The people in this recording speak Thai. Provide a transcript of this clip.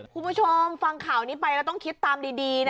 คุณผู้ชมฟังข่าวนี้ไปแล้วต้องคิดตามดีนะ